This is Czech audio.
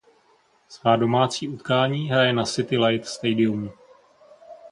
Svá domácí utkání hraje na City Light Stadium.